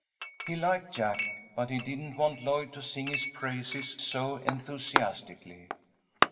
He liked Jack, but he didn't want Lloyd to sing his praises so enthusiastically.